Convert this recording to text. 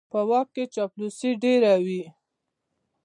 په واک کې چاپلوسي ډېره وي.